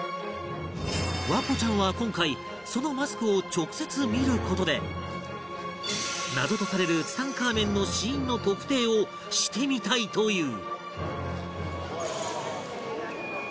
環子ちゃんは今回そのマスクを直接見る事で謎とされるツタンカーメンの死因の特定をしてみたいという